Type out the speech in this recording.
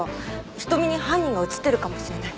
瞳に犯人が映っているかもしれない。